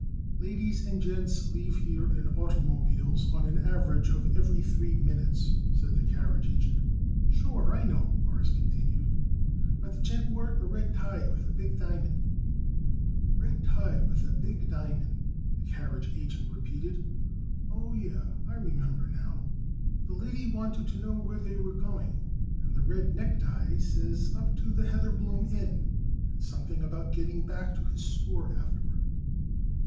"Ladies and gents leave here in automobiles on an average of every three minutes," said the carriage agent. "Sure, I know," Morris continued, "but the gent wore it a red tie with a big diamond." "Red tie with a big diamond," the carriage agent repeated. "Oh, yeh I remember now. The lady wanted to know where they was going, and the red necktie says up to the Heatherbloom Inn and something about getting back to his store afterward."